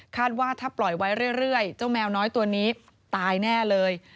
ว่าถ้าปล่อยไว้เรื่อยเจ้าแมวน้อยตัวนี้ตายแน่เลย